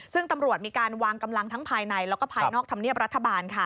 ซึ่งตำรวจมีการวางกำลังทั้งภายในแล้วก็ภายนอกธรรมเนียบรัฐบาล